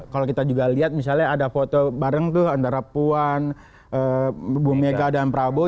kalau kita juga lihat misalnya ada foto bareng tuh antara puan bu mega dan prabowo